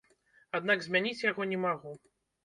Аднак змяніць яго не магу.